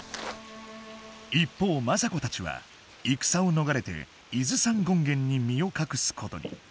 一方政子たちは戦を逃れて伊豆山権現に身を隠すことに。